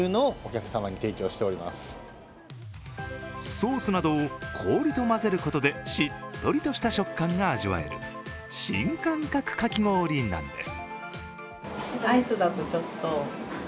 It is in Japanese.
ソースなどを氷と混ぜることでしっとりとした食感が味わえる、新感覚かき氷なんです。